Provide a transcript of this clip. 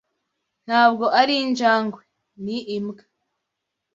Ntabwo ari injangwe. Ni imbwa.